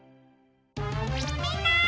みんな！